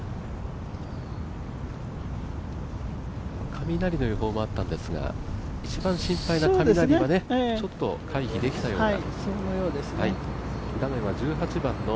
雷の予報もあったんですが一番心配な雷は回避できたような。